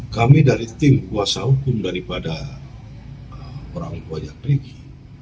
kami dari tim kuasa hukum daripada orang orang yang pergi